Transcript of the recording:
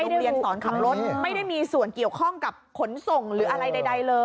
เรียนสอนขับรถไม่ได้มีส่วนเกี่ยวข้องกับขนส่งหรืออะไรใดเลย